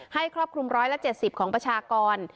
ครอบคลุม๑๗๐ของประชากร